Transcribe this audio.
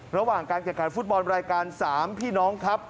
ระหว่างการแข่งขันฟุตบอลรายการ๓พี่น้องครับ